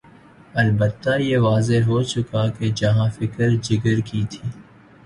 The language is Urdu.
البتہ یہ واضح ہو چکا کہ جہاں فکر جگر کی تھی۔